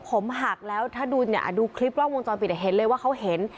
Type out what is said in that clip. ผมหักแล้วถ้าดูเนี่ยดูคลิปกล้องวงจรปิดเห็นเลยว่าเขาเห็น